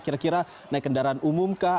kira kira naik kendaraan umum kah